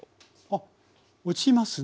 あっ落ちますね。